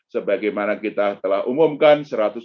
sebagaimana kita telah umumkan